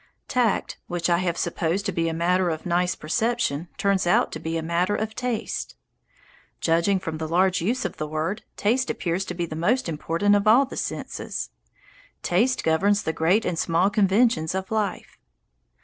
Tact, which I have supposed to be a matter of nice perception, turns out to be a matter of taste. Judging from the large use of the word, taste appears to be the most important of all the senses. Taste governs the great and small conventions of life.